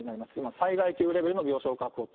災害級レベルの病床確保と。